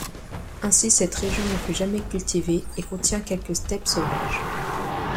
Ainsi, cette région ne fut jamais cultivée et contient quelques steppes sauvages.